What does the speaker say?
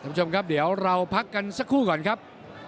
คุณผู้ชมครับเดี๋ยวเราพักกันสักครู่ก่อนครับ